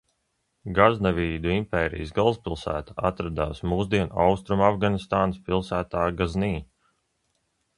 Gaznevīdu impērijas galvaspilsēta atradās mūsdienu Austrumafganistānas pilsētā Gaznī.